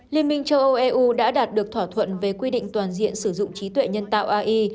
liên minh châu âu eu đã đạt được thỏa thuận về quy định toàn diện sử dụng trí tuệ nhân tạo ai